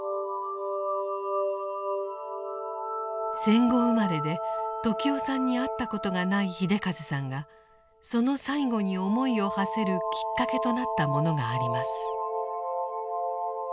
戦後生まれで時雄さんに会ったことがない秀和さんがその最期に思いをはせるきっかけとなったものがあります。